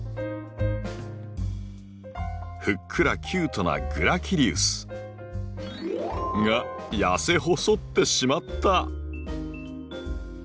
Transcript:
ふっくらキュートなグラキリウス。が痩せ細ってしまった！